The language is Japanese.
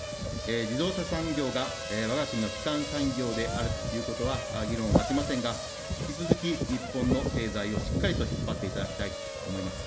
自動車産業がわが国の基幹産業であるということは、議論をまちませんが、引き続き日本の経済をしっかりと引っ張っていただきたいと思います。